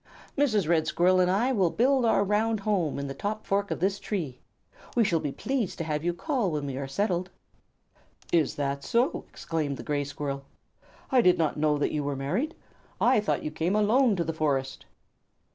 "Mrs. Red Squirrel and I will build our round home in the top fork of this tree. We shall be pleased to have you call when we are settled." "Is that so?" exclaimed the Gray Squirrel. "I did not know that you were married. I thought you came alone to the forest."